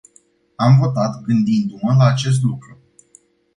Am votat gândindu-mp la acest lucru.